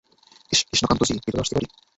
কৃষ্ণকান্ত জি, ভিতরে আসতে পারি?